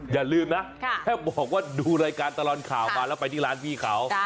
อย่าลืมนะแค่บอกว่าดูรายการตลอดข่าวมาแล้วไปที่ร้านพี่เขา